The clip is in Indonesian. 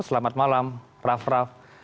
selamat malam raff raff